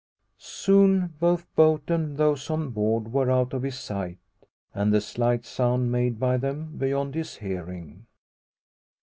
Soon both boat and those on board were out of his sight, and the slight sound made by them beyond his hearing.